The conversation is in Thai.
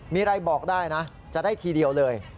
มีอะไรบอกได้นะจะได้ทีเดียวเลย